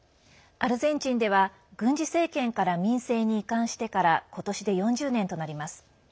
アルゼンチンでは軍事政権から民政に移管してから今年で４０年となります。